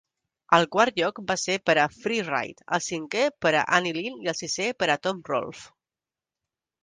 El quart lloc va ser per a Free Ride, el cinquè per a Anilin i el sisè per a Tom Rolfe.